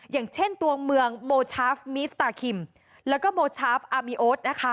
อย่างเช่นตัวเมืองโมชาฟมิสตาคิมและโมชาฟอามีโอส